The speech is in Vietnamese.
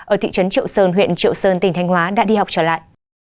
ở thị trấn triệu sơn huyện triệu sơn tỉnh thanh hóa đã đi học trở lại